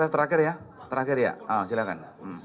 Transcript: terakhir ya terakhir ya silahkan